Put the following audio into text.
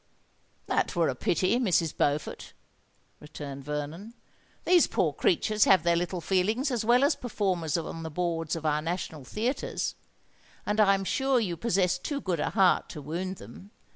"That were a pity, Mrs. Beaufort," returned Vernon. "These poor creatures have their little feelings as well as performers on the boards of our national theatres; and I am sure you possess too good a heart to wound them.